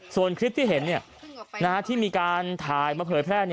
ส่วนคลิปที่เห็นที่มีการถ่ายมาเผยแพร่